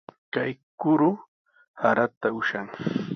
Kay kuru saraata ushan.